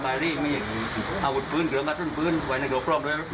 ไม่จับพ่อ